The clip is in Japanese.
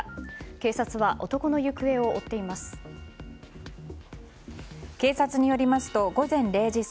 警察は男の行方を追っています。